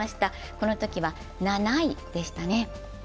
このときは７位でしたね。